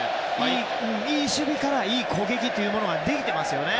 いい守備からいい攻撃というものができていますよね。